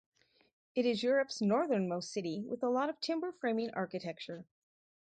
It is Europe's northernmost city with a lot of timber framing architecture.